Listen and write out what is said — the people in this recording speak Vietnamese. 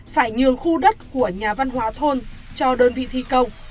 phải nhường khu đất của nhà văn hóa thôn cho đơn vị thi công